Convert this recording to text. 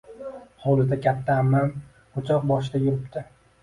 Hovlida katta ammam o`choq boshida yuribdi